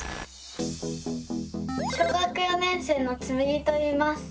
小学４年生のつむぎといいます。